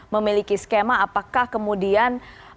memiliki skema apakah kemudian